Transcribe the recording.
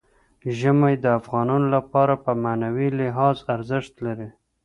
ژمی د افغانانو لپاره په معنوي لحاظ ارزښت لري.